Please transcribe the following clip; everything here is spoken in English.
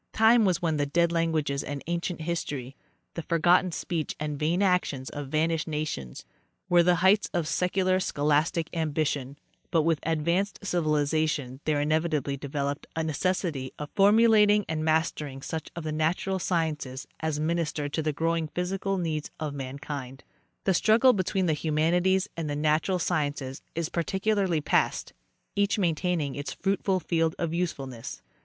Time was when the dead languages and ancient history—the forgotten speech and vain actions of vanished nations—were the heights of secular scho lastic ambition, but with advanced civilization there inevitably developed a necessity of formulating and mastering such of the natural sciences as minister to the growing physical needs"of mankind. The struggle between the humanities and the natural sciences is practically past, each maintaining its fruitful field of, usefulness.